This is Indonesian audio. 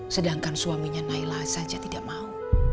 sedangkan suaminya naila saja tidak mau